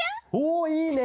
おいいね！